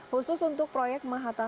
khusus untuk proyek mahataserapong